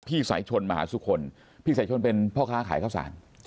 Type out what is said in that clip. สายชนมหาสุคลพี่สายชนเป็นพ่อค้าขายข้าวสาร